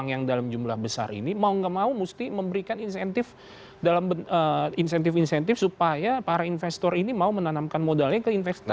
yang dalam jumlah besar ini mau gak mau mesti memberikan insentif dalam insentif insentif supaya para investor ini mau menanamkan modalnya ke investasi